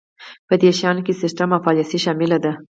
په دې شیانو کې سیستم او پالیسي شامل دي.